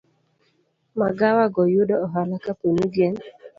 Magawa go yudo ohala kaponi gin